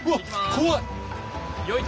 怖い！